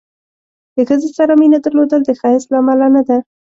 د ښځې سره مینه درلودل د ښایست له امله نه ده.